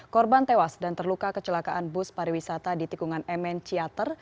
korban tewas dan terluka kecelakaan bus pariwisata di tikungan mn ciater